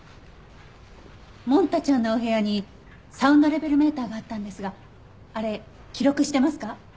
モン太ちゃんのお部屋にサウンドレベルメーターがあったんですがあれ記録してますか？